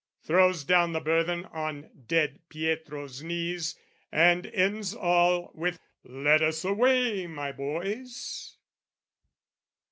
Throws down the burthen on dead Pietro's knees, And ends all with "Let us away, my boys!"